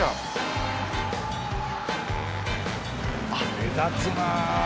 目立つなあ。